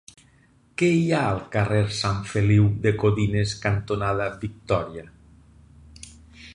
Què hi ha al carrer Sant Feliu de Codines cantonada Victòria?